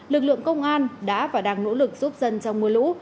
lực lượng công an đã và đang nỗ lực giúp dân trong mưa lũ